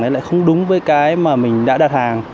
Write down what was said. lại không đúng với cái mà mình đã đặt hàng